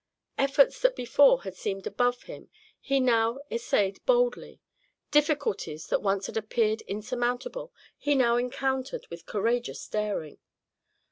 Efforts that before had seemed above him he now essayed boldly; difficulties that once had appeared insurmountable he now encountered with courageous daring.